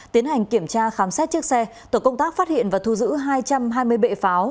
tiến hành kiểm tra khám xét chiếc xe tổ công tác phát hiện và thu giữ hai trăm hai mươi bệ pháo